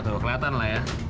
tuh kelihatan lah ya